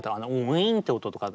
ウィンって音とか。